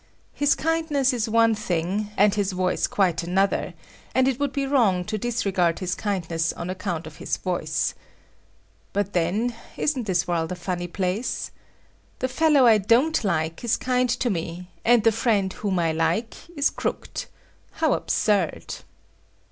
His kindness is one thing, and his voice quite another, and it would be wrong to disregard his kindness on account of his voice. But then, isn't this world a funny place! The fellow I don't like is kind to me, and the friend whom I like is crooked,—how absurd!